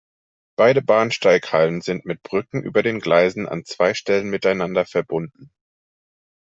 Beide Bahnsteighallen sind mit Brücken über den Gleisen an zwei Stellen miteinander verbunden.